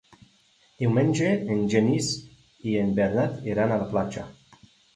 Diumenge en Genís i en Bernat iran a la platja.